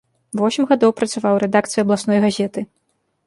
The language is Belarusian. Восем гадоў працаваў у рэдакцыі абласной газеты.